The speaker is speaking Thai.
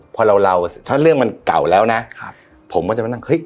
พอเราเราถ้าเรื่องมันเก่าแล้วนะครับผมก็จะมานั่งเฮ้ย